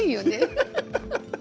ハハハハ！